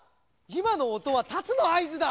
いまのおとはたつのあいずだ！